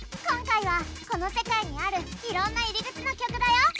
今回はこの世界にあるいろんな入り口の曲だよ。